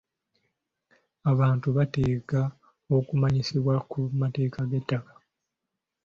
Abantu beetaaga okumanyisibwa ku mateeka g'ettaka.